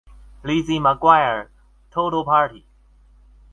Lizzie McGuire: Total Party!